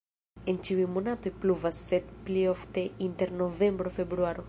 En ĉiuj monatoj pluvas, sed pli ofte inter novembro-februaro.